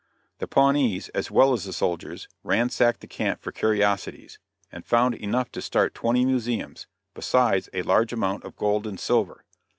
The Pawnees, as well as the soldiers, ransacked the camp for curiosities, and found enough to start twenty museums, besides a large amount of gold and silver.